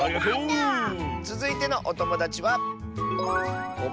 つづいてのおともだちは。